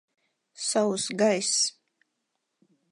Sauss gaiss.